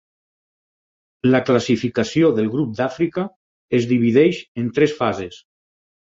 La classificació del grup d'Àfrica es divideix en tres fases.